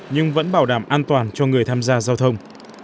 nhưng vẫn bảo đảm an toàn giao thông